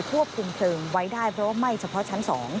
ควบคุมเพลิงไว้ได้เพราะว่าไหม้เฉพาะชั้น๒